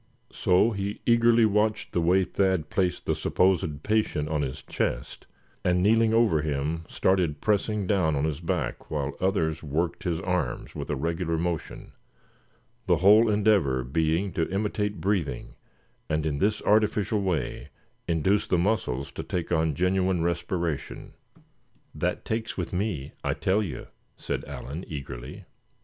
So he eagerly watched the way Thad placed the supposed patient on his chest, and kneeling over him, started pressing down on his back while others worked his arms with a regular motion; the whole endeavor being to imitate breathing, and in this artificial way induce the muscles to take on genuine respiration. "That takes with me, I tell you," said Allan, eagerly.